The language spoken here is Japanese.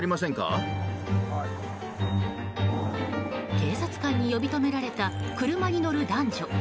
警察官に呼び止められた車に乗る男女。